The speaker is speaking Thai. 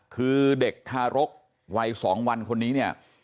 คือเด็กทารกวัย๒วันคนนี้เนี่ย